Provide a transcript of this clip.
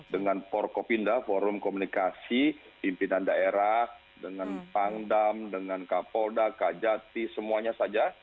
dengan forkopinda forum komunikasi pimpinan daerah dengan pangdam dengan kapolda kajati semuanya saja